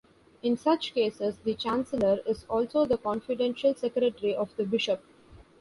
In such cases the chancellor is also the confidential secretary of the bishop.